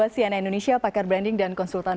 siana indonesia pakar branding dan konsultan